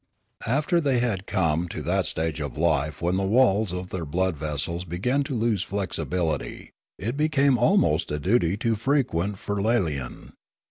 The Firla, or Electric Sense 145 After they had come to that stage of life when the walls of their blood vessels began to lose flexibility, it became almost a duty to frequent Firlalain.